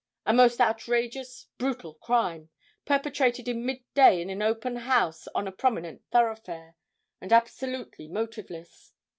A most outrageous, brutal crime, perpetrated in mid day in an open house on a prominent thoroughfare, and absolutely motiveless.